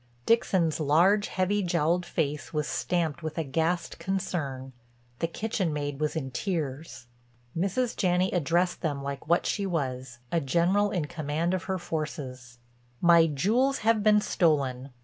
Dixon's large, heavy jowled face was stamped with aghast concern; the kitchen maid was in tears. Mrs. Janney addressed them like what she was—a general in command of her forces: "My jewels have been stolen.